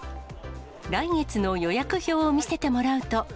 来月の予約表を見せてもらうと。